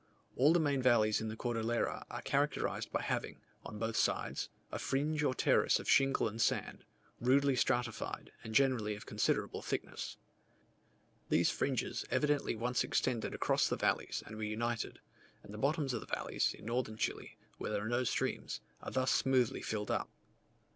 All the main valleys in the Cordillera are characterized by having, on both sides, a fringe or terrace of shingle and sand, rudely stratified, and generally of considerable thickness. These fringes evidently once extended across the valleys and were united; and the bottoms of the valleys in northern Chile, where there are no streams, are thus smoothly filled up.